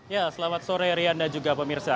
ya selamat sore riana juga pemirsa